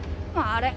あれ？